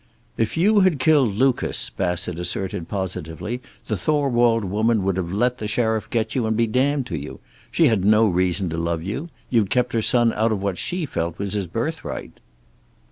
"If you had killed Lucas," Bassett asserted positively, "the Thorwald woman would have let the sheriff get you, and be damned to you. She had no reason to love you. You'd kept her son out of what she felt was his birthright."